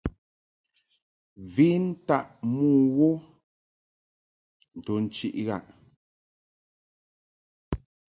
Ven taʼ mo wo nto nchiʼ ghaʼ.